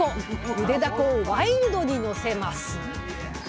ゆでダコをワイルドにのせます。